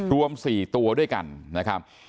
รวม๔ตัวด้วยกันนะครับ